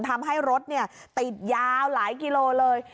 ทำให้รถติดยาวหลายกิโลเลย